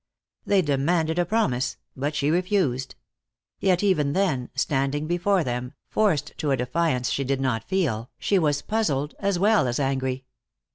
They demanded a promise, but she refused. Yet even then, standing before them, forced to a defiance she did not feel, she was puzzled as well as angry.